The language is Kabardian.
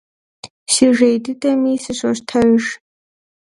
Си жей дыдэми сыщощтэж.